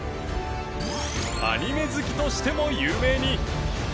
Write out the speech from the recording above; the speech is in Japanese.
アニメ好きとしても有名に。